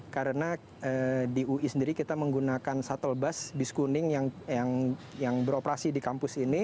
karena di ui sendiri kita menggunakan shuttle bus bis kuning yang beroperasi di kampus ini